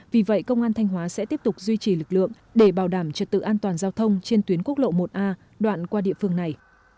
vì vậy công an thanh hóa sẽ tiếp tục duy trì lực lượng để bảo đảm trật tự an toàn giao thông trên tuyến quốc lộ một a đoạn qua địa phương này